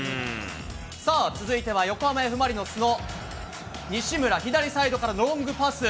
さあ、続いては横浜Ｆ・マリノスの西村、左サイドからロングパス。